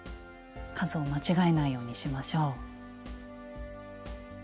数を間違えないようにしましょう。